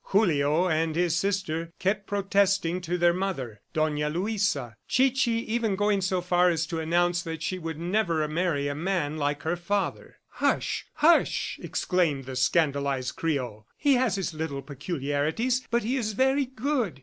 Julio and his sister kept protesting to their mother, Dona Luisa Chichi even going so far as to announce that she would never marry a man like her father. "Hush, hush!" exclaimed the scandalized Creole. "He has his little peculiarities, but he is very good.